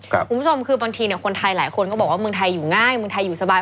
คุณผู้ชมคือบางทีคนไทยหลายคนก็บอกว่าเมืองไทยอยู่ง่ายเมืองไทยอยู่สบาย